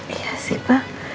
iya sih pak